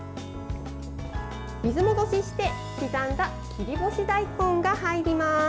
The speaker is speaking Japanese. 水戻しして刻んだ切り干し大根が入ります。